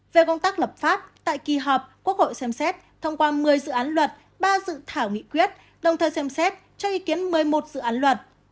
về công tác lập pháp tại kỳ họp quốc hội xem xét thông qua một mươi dự án luật ba dự thảo nghị quyết đồng thời xem xét cho ý kiến một mươi một dự án luật